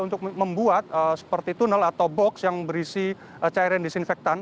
untuk membuat seperti tunnel atau box yang berisi cairan disinfektan